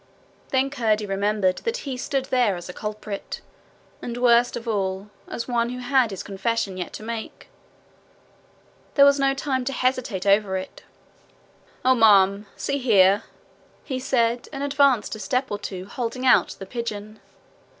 Then Curdie remembered that he stood there as a culprit, and worst of all, as one who had his confession yet to make. There was no time to hesitate over it. 'Oh, ma'am! See here,' he said, and advanced a step or two, holding out the pigeon.